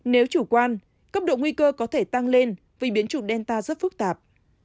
nếu chủ quan cấp độ nguy cơ có thể tăng lên vì biến chủng delta rất phức tạp